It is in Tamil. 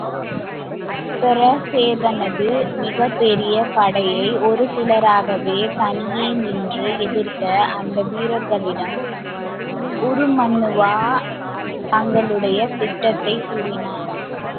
பிரச்சோதனது மிகப்பெரிய படையை ஒரு சிலராகவே தனியே நின்று எதிர்த்த அந்த வீரர்களிடம், உருமண்ணுவா தங்களுடைய திட்டத்தைக் கூறினான்.